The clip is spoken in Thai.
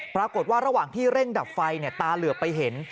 ปรากฏว่าระหว่างที่เร่งดับไฟตาเหลือไปเห็น